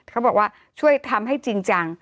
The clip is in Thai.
เขาบอกว่าช่วยทำให้จริงจัง